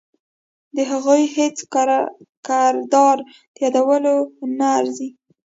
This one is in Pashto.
د هغوی هیڅ کردار په یادولو نه ارزي.